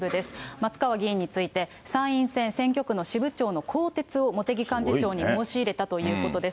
松川議員について、参院選選挙区の支部長の更迭を茂木幹事長に申し入れたということです。